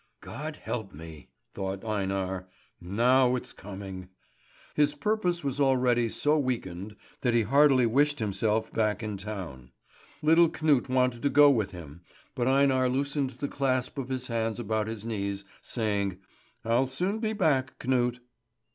"God help me!" thought Einar. "Now it's coming." His purpose was already so weakened, that he heartily wished himself back in town. Little Knut wanted to go with him, but Einar loosened the clasp of his hands about his knees, saying: "I'll soon be back, Knut."